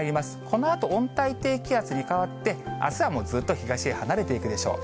このあと温帯低気圧に変わって、あすはずっと東へ離れていくでしょう。